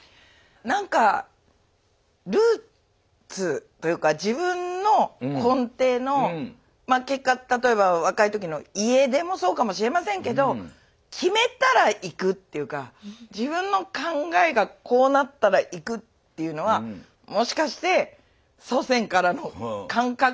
何かルーツというか自分の根底のまあ結果例えば若い時の家出もそうかもしれませんけど決めたら行くというか自分の考えがこうなったら行くというのはもしかして祖先からの感覚。